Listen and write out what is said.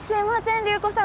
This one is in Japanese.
流子さん